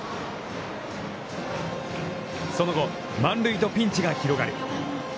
その後、満塁とピンチが広がる。